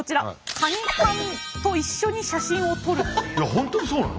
本当にそうなの？